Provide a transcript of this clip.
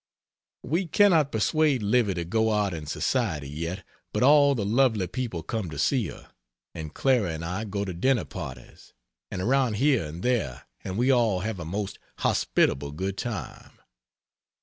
... We cannot persuade Livy to go out in society yet, but all the lovely people come to see her; and Clara and I go to dinner parties, and around here and there, and we all have a most hospitable good time.